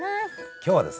今日はですね